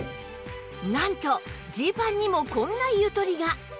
なんとジーパンにもこんなゆとりが